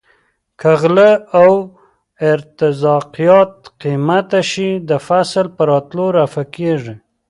که غله او ارتزاقیات قیمته شي د فصل په راتلو رفع کیږي.